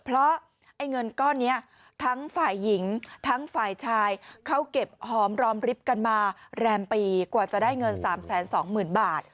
เพราะไอ้เงินก้อนนี้ทั้งฝ่ายหญิงทั้งฝ่ายชายเขาเก็บหอมรอมริบกันมาแรมปีกว่าจะได้เงิน๓๒๐๐๐บาท